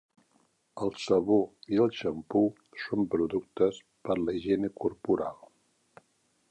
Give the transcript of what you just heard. El sabó i el xampú són productes per a la higiene corporal.